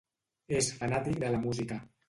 És fanàtic de la música.